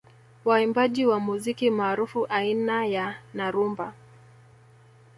Waimbaji wa muziki maarufu aina ya na rumba